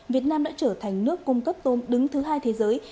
việt nam đã trở thành nước cung cấp tôm đứng thứ hai thế giới